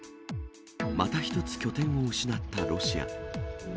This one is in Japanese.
また１つ拠点を失ったロシア。